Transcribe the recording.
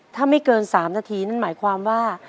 ถ้าไม่เกิน๓นาทีนั่นหมายความว่า